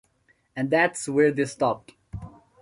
And that's where they stopped.